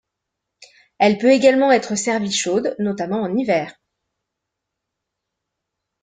Elle peut également être servie chaude notamment en hiver.